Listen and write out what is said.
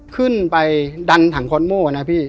ขึ้นไปดันถังคอสโม่นะพี่